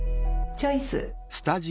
チョイス！